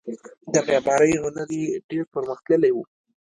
د معمارۍ هنر یې ډیر پرمختللی و